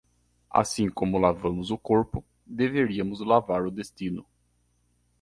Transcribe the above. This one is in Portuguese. Assim como lavamos o corpo deveríamos lavar o destino